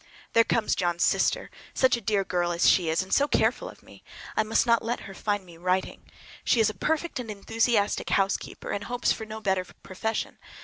There comes John's sister. Such a dear girl as she is, and so careful of me! I must not let her find me writing. She is a perfect, and enthusiastic housekeeper, and hopes for no better profession.